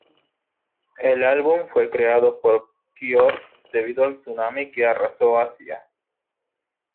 El álbum fue creado por Björk debido al tsunami que arrasó Asia.